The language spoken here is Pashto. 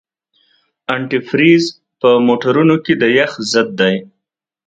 انتي فریز په موټرونو کې د یخ ضد دی.